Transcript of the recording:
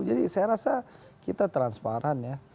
jadi saya rasa kita transparan ya